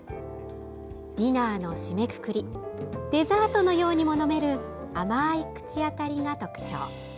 ディナーの締めくくりデザートのようにも飲める甘い口当たりが特徴。